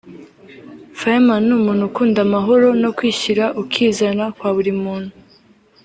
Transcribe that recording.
Fireman ni umuntu ukunda amahoro no kwishyira ukizana kwa buri muntu